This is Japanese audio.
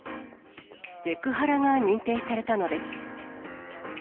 セクハラが認定されたのです。